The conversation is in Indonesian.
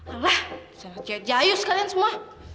alah sangat jahat jahat kalian semua